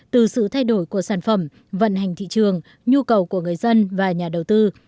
từ sự thay đổi của sản phẩm vận hành thị trường nhu cầu của người dân và nhà đầu tư